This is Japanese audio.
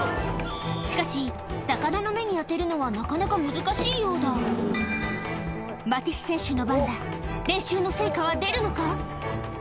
しかし魚の目に当てるのはなかなか難しいようだマティス選手の番だ練習の成果は出るのか？